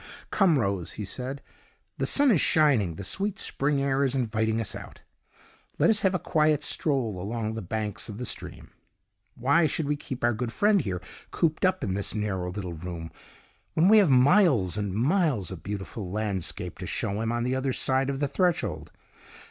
"Come, Rose," he said, "the sun is shining, the sweet spring air is inviting us out. Let us have a quiet stroll along the banks of the stream. Why should we keep our good friend here cooped up in this narrow little room, when we have miles and miles of beautiful landscape to show him on the other side of the threshold?